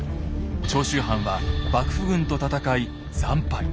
長州藩は幕府軍と戦い惨敗。